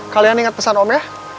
kalian inget pesan om ya